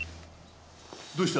どうした？